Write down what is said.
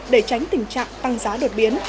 để tránh tình trạng tăng giá đột biến